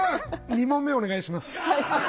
２問目お願いします。